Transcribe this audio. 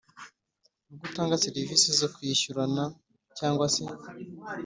Ubw utanga serivisi zo kwishyurana cyangwa se